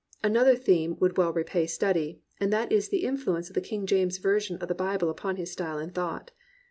Another theme would well repay study, and that is the influence of the King James Version of the Bible up>on his style and thought.